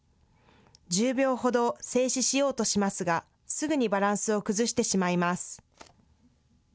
１０秒ほど静止しようとしますがすぐにバランスを崩してしまいます。